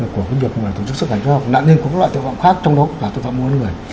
của cái việc mà tổ chức sức khỏe cho nạn nhân của các loại tài khoản khác trong đó cũng là tài khoản môn người